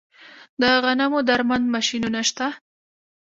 د غنمو درمند ماشینونه شته